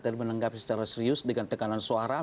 dan menanggapi secara serius dengan tekanan suara